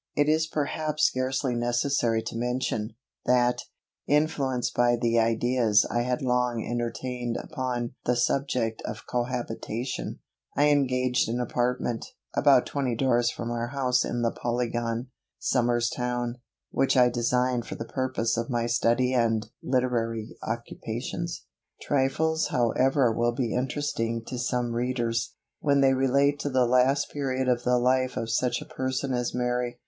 It is perhaps scarcely necessary to mention, that, influenced by the ideas I had long entertained upon the subject of cohabitation, I engaged an apartment, about twenty doors from our house in the Polygon, Somers Town, which I designed for the purpose of my study and literary occupations. Trifles however will be interesting to some readers, when they relate to the last period of the life of such a person as Mary.